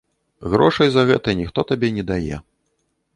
Грошай за гэта ніхто табе не дае.